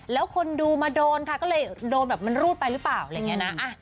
แล้วคนดูมาโดนค่ะก็เลยโดนแบบมันรูดไปหรือเปล่าอะไรอย่างนี้นะ